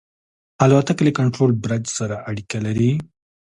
الوتکه له کنټرول برج سره اړیکه لري.